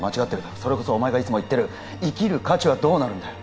それこそお前がいつも言ってる生きる価値はどうなるんだよ